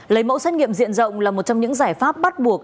lấy mẫu xét nghiệm diện rộng là một trong những giải pháp bắt buộc